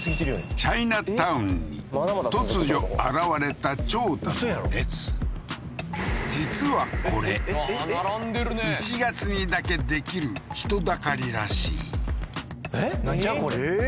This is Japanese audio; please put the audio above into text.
チャイナタウンに突如現れた実はこれ１月にだけできる人だかりらしいえっ？